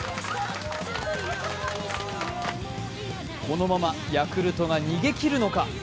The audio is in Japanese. このままヤクルトが逃げ切るのか。